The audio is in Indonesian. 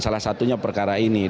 salah satunya perkara perkara yang lain